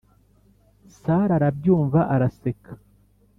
sara arabyumva araseka